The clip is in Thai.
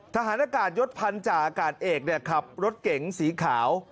ทหารอากาศยศพันธาอากาศเอกขับรถเก๋งสีขาว